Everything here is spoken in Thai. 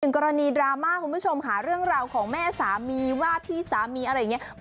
กรณีดราม่าคุณผู้ชมค่ะเรื่องราวของแม่สามีว่าที่สามีอะไรอย่างนี้